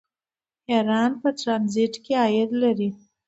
ایران په ټرانزیټ کې عاید لري.